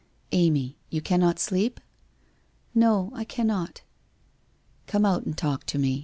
' Amy, you cannot sleep ?'' No, I cannot.' ' Come out and talk to me.